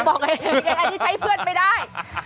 บอกเองใช้เพื่อนไปได้